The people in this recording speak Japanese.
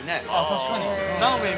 ◆確かに。